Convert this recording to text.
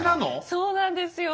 そうなんですよ！